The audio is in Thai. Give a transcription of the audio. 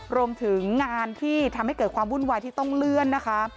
รวมถึงงานที่ทำให้เกิดความวุ่นวายที่ต้องเลื่อนนะคะ